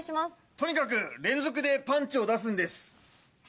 とにかく連続でパンチを出すんです。